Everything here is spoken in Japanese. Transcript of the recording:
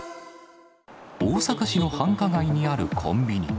大阪市の繁華街にあるコンビニ。